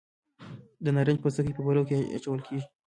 د نارنج پوستکي په پلو کې اچول کیږي.